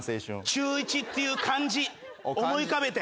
「中一」っていう漢字思い浮かべて。